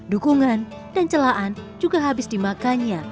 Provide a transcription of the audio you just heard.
dukungan dan celaan juga habis dimakannya